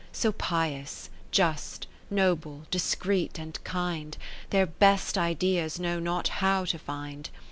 So pious, just, noble, discreet, and kind. Their best ideas know not how to find.